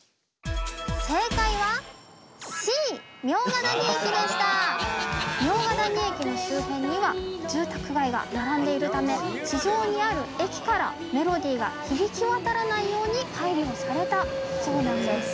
正解は茗荷谷駅の周辺には住宅街が並んでいるため地上にある駅からメロディが響き渡らないように配慮をされたそうなんです。